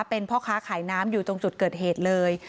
เป็นพ่อค้าขายน้ำอยู่ตรงจุดเกิดเหตุเลย